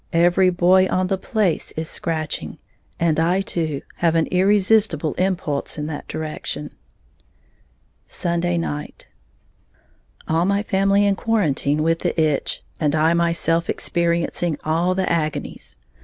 Every boy on the place is scratching; and I too have an irresistible impulse in that direction. Sunday Night. All my family in quarantine with the itch, and I myself experiencing all the agonies.